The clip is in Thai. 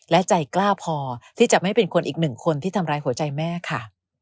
และใจกล้าพอที่จะไม่เป็นคนอีกหนึ่งคนที่ทำร้ายหัวใจแม่ค่ะ